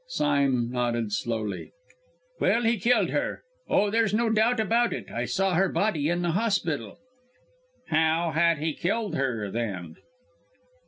Sime nodded slowly. "Well he killed her! Oh! there is no doubt about it; I saw her body in the hospital." "How had he killed her, then?"